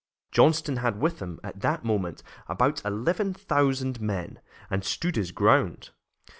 Johnston had with him, at the moment, about eleven thousand men, and stood his ground.